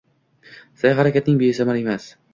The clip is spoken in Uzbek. Sa’y-harakating besamar emas.